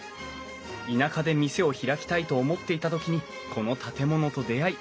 田舎で店を開きたいと思っていた時にこの建物と出会い